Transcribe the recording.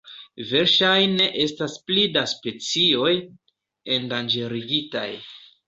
Verŝajne estas pli da specioj endanĝerigitaj.